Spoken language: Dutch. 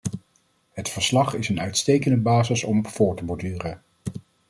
Het verslag is een uitstekende basis om op voort te borduren.